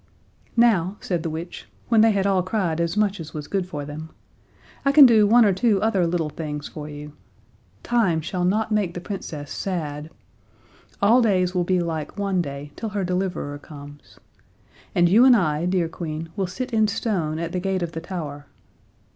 "Now," said the witch, when they had all cried as much as was good for them, "I can do one or two other little things for you. Time shall not make the Princess sad. All days will be like one day till her deliverer comes. And you and I, dear Queen, will sit in stone at the gate of the tower.